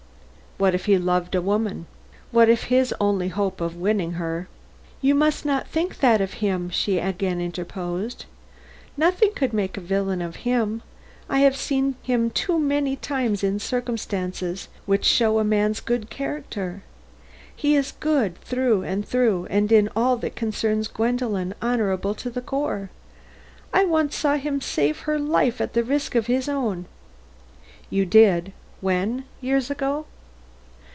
What if he loved a woman! What if his only hope of winning her " "You must not think that of him," she again interposed. "Nothing could make a villain of him. I have seen him too many times in circumstances which show a man's character. He is good through and through, and in all that concerns Gwendolen, honorable to the core. I once saw him save her life at the risk of his own." "You did? When? Years ago?"